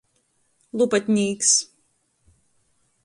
Lupatnīks.